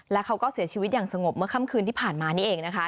แล้วเขาก็เสียชีวิตอย่างสงบเมื่อค่ำคืนที่ผ่านมานี่เองนะคะ